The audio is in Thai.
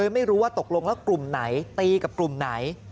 ไม่รู้ว่าตกลงแล้วกลุ่มไหนตีกับกลุ่มไหน